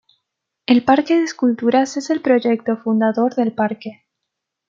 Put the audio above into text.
El Parque de Esculturas es el proyecto fundador del parque.